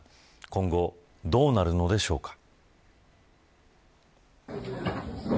今後、どうなるのでしょうか。